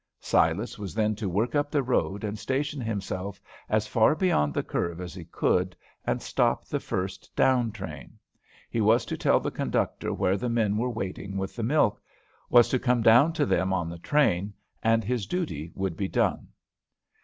Silas was then to work up the road and station himself as far beyond the curve as he could, and stop the first down train. He was to tell the conductor where the men were waiting with the milk, was to come down to them on the train, and his duty would be done.